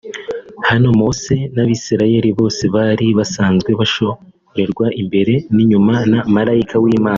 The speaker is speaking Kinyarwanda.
Hano Mose n'abisirayeli bose bari basanzwe bashorerwa imbere n'inyuma na malayika w'Imana